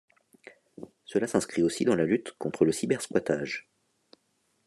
Cela s'inscrit aussi dans la lutte contre le cybersquattage.